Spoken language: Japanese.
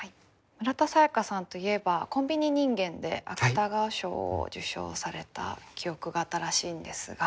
村田沙耶香さんといえば「コンビニ人間」で芥川賞を受賞された記憶が新しいんですが。